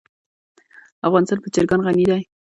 افغانستان په چرګان غني دی.